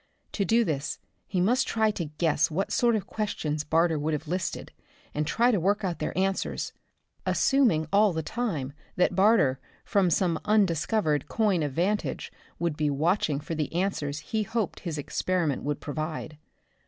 To do this he must try to guess what sort of questions Barter would have listed, and try to work out their answers assuming all the time that Barter, from some undiscovered coign of vantage would be watching for the answers he hoped his experiment would provide.